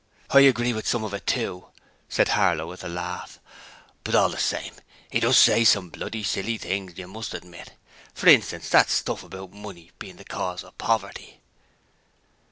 'I agree with some of it too,' said Harlow with a laugh, 'but all the same 'e does say some bloody silly things, you must admit. For instance, that stuff about money bein' the cause of poverty.'